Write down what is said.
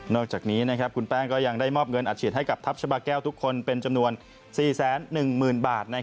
อกจากนี้คุณแป้งก็ยังได้มอบเงินอัดฉีดให้กับทัพชาบาแก้วทุกคนเป็นจำนวน๔๑๐๐๐บาท